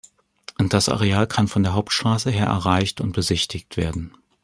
Das Areal kann von der Hauptstraße her erreicht und besichtigt werden.